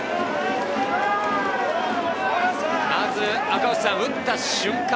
赤星さん、打った瞬間